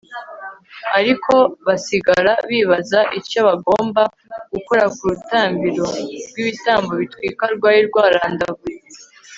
ariko basigara bibaza icyo bagomba gukora ku rutambiro rw'ibitambo bitwikwa rwari rwarandavuye